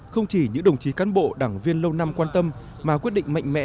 không chỉ những đồng chí cán bộ đảng viên lâu năm quan tâm mà quyết định mạnh mẽ